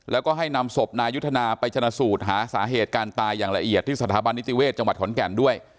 แล้วก็ให้นำศพนายุทธนาไปชนะสูตรหาสาเหตุการตายอย่างละเอียดที่สถาบันนิติเวศจังหวัดขอนแก่นด้วย